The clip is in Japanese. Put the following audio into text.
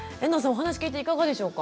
お話聞いていかがでしょうか？